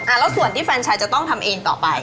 แล้วส่วนที่แฟนชายจะต้องทำเองต่อไป